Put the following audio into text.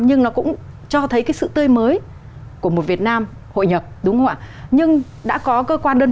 nhưng nó cũng cho thấy cái sự tươi mới của một việt nam hội nhập đúng không ạ nhưng đã có cơ quan đơn